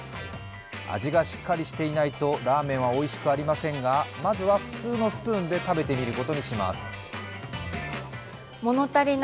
味がしっかりしていないとラーメンはおいしくありませんがまずは普通のスプーンで食べてみることにします。